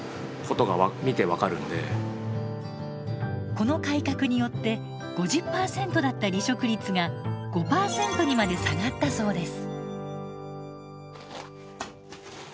この改革によって５０％だった離職率が５％にまで下がったそうです。